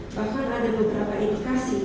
bahkan ada beberapa indikasi